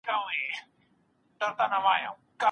معلومات باید په دقت سره انتخاب سي.